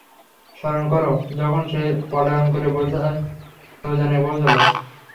স্মরণ কর, যখন সে পলায়ন করে বোঝাই নৌযানে পৌঁছল।